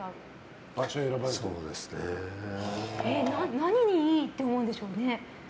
何にいいと思うんでしょうね。